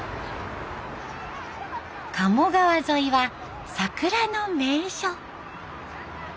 鴨川沿いは桜の名所。